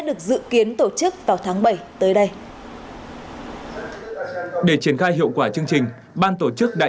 được dự kiến tổ chức vào tháng bảy tới đây để triển khai hiệu quả chương trình ban tổ chức đã